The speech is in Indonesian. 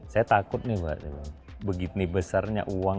saya takut nih begitu besarnya uang